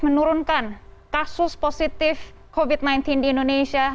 menurunkan kasus positif covid sembilan belas di indonesia